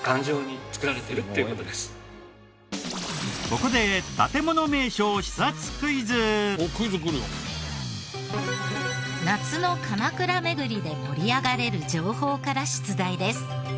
ここで夏の鎌倉めぐりで盛り上がれる情報から出題です。